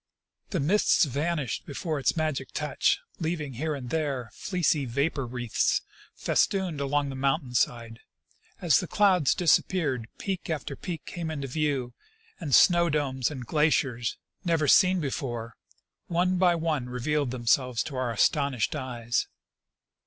The mists vanished before its magic touch, leaving here and there fleecy vaj)or wreaths festooned along the mountain side ; as the clouds disappeared, peak after peak came into view, and snow domes and glaciers, never seen before, one by one revealed themselves to our astonished eyes.